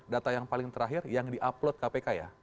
data yang paling terakhir yang di upload kpk ya